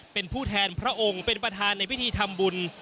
เป็นผู้แทนพระองค์เป็นประธานในพิธีทำบุญ